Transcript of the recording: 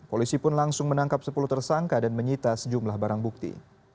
polisi pun langsung menangkap sepuluh tersangka dan menyita sejumlah barang bukti